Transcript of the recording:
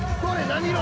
何色？